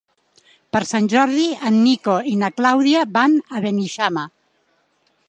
Per Sant Jordi en Nico i na Clàudia van a Beneixama.